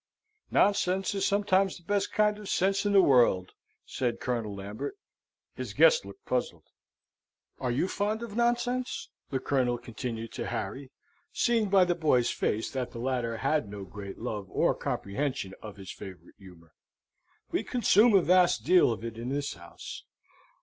"Nonsense is sometimes the best kind of sense in the world," said Colonel Lambert. His guest looked puzzled. "Are you fond of nonsense?" the Colonel continued to Harry, seeing by the boy's face that the latter had no great love or comprehension of his favourite humour. "We consume a vast deal of it in this house.